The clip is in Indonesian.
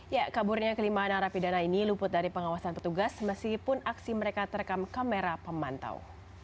ya kaburnya kelima narapidana ini luput dari pengawasan petugas meskipun aksi mereka terekam kamera pemantau